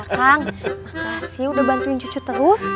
kang makasih udah bantuin cucu terus